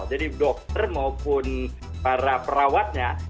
jadi dokter maupun para perawatnya